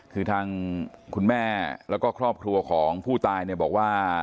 คือทางคุณแม่แล้วก็ครอบครัวของผู้ตายเนี่ยบอกว่า